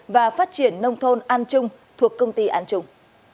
và phát triển nông thôn an trung thuộc công ty an trùng